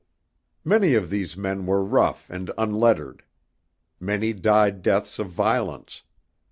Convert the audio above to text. Many of these men were rough and unlettered. Many died deaths of violence.